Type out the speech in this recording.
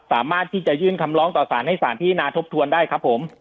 สามารถที่จะยื่นคำร้องต่อสารให้สารพิจารณาทบทวนได้ครับผม